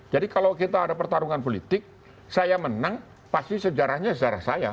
jadi kalau kita ada pertarungan politik saya menang pasti sejarahnya sejarah saya